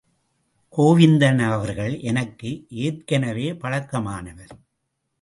கோவிந்தன் அவர்கள் எனக்கு ஏற்கனவே பழக்கமானவர்.